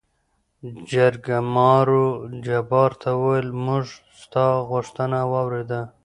جرګمارو جبار ته ووېل: موږ ستا غوښتنه وارېده.